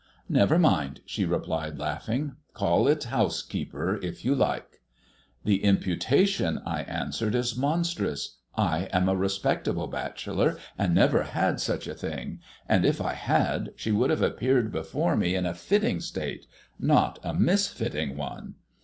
"Never mind," she replied, laughing; "call it housekeeper, if you like." "The imputation," I answered, "is monstrous. I am a respectable bachelor, and never had such a thing. And if I had, she would have appeared before me in a fitting state not a misfitting one."